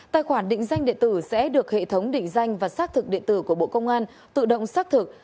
tài khoản định danh điện tử sẽ được hệ thống định danh và xác thực điện tử của bộ công an tự động xác thực